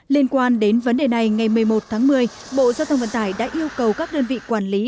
liên quan đến vấn đề này ngày một mươi một tháng một mươi bộ giao thông vận tải đã yêu cầu các đơn vị quản lý